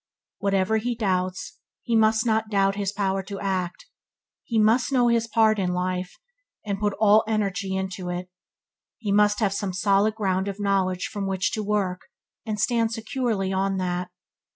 Whatever he doubts, he must not doubt his power to act. He must know his part in life, and put all his energy into it. He must have some solid ground of knowledge from which to work, and stand securely on that.